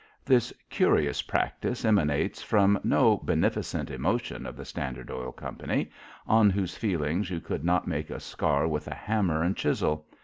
This curious practice emanates from no beneficent emotion of the Standard Oil Company, on whose feelings you could not make a scar with a hammer and chisel.